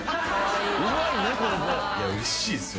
うれしいですよ